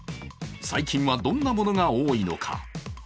最近はどんなものが多いのか。